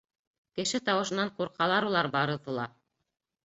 Кеше тауышынан ҡурҡалар улар барыҙы ла.